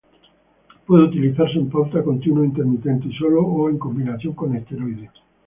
Puede utilizarse en pauta continua o intermitente y solo o en combinación con esteroides.